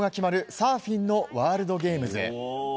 サーフィンのワールドゲームス。